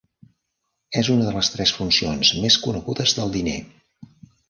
És una de les tres funcions més conegudes del diner.